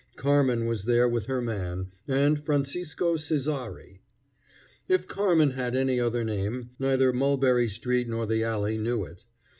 Carmen was there with her man, and Francisco Cessari. If Carmen had any other name, neither Mulberry street nor the alley knew it.